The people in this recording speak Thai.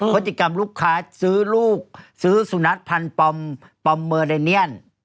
พฤติกรรมลูกค้าซื้อลูกซื้อสุนัขพันธ์ปอมเมอเรเนียน